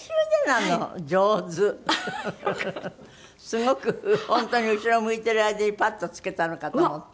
すごく本当に後ろ向いてる間にパッとつけたのかと思った。